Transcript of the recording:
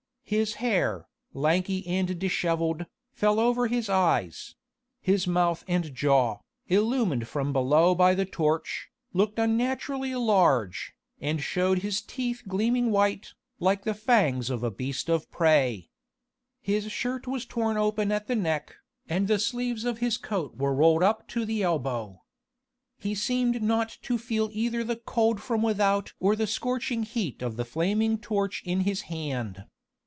His hair, lanky and dishevelled, fell over his eyes; his mouth and jaw, illumined from below by the torch, looked unnaturally large, and showed his teeth gleaming white, like the fangs of a beast of prey. His shirt was torn open at the neck, and the sleeves of his coat were rolled up to the elbow. He seemed not to feel either the cold from without or the scorching heat of the flaming torch in his hand.